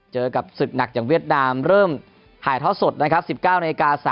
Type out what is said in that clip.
เจอกับสุดหนักจากเวียดนามเริ่มถ่ายท่อสด๑๙น๓๐น